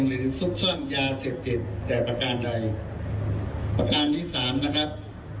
หรือสุขส้นยาเศรษฐิตแต่ประการใดประการที่สามนะครับ